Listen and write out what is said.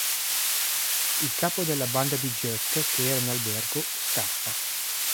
Il capo della banda di Jack, che era in albergo, scappa.